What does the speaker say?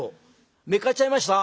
「めっかっちゃいました？」。